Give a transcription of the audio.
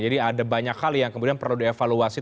jadi ada banyak hal yang kemudian perlu dievaluasi